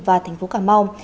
và thành phố cà mau